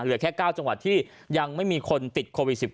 เหลือแค่๙จังหวัดที่ยังไม่มีคนติดโควิด๑๙